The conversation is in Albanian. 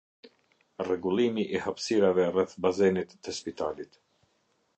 Rregullimi i hapsirave rreth bazenit te spitalit